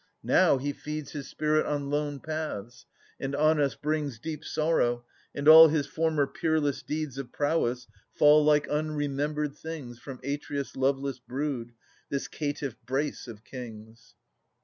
Now he feeds His spirit on lone paths, and on us brings Deep sorrow ; and all his former peerless deeds Of prowess fall like unremembered things From Atreus' loveless brood, this caitiff brace of kings.